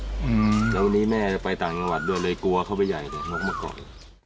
อืมแล้ววันนี้แม่จะไปต่างจังหวัดด้วยเลยกลัวเข้าไปใหญ่เลยนกมาก่อน